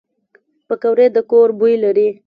پکورې د کور بوی لري